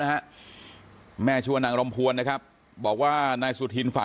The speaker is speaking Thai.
ที่เกิดเกิดเหตุอยู่หมู่๖บ้านน้ำผู้ตะมนต์ทุ่งโพนะครับที่เกิดเกิดเหตุอยู่หมู่๖บ้านน้ำผู้ตะมนต์ทุ่งโพนะครับ